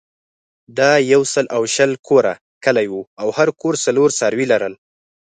دا یو سل او شل کوره کلی وو او هر کور څلور څاروي لرل.